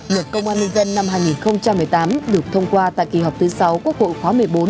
luật công an nhân dân năm hai nghìn một mươi tám được thông qua tại kỳ họp thứ sáu quốc hội khóa một mươi bốn